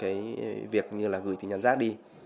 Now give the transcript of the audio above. những cái việc như là gửi tin nhận giác đi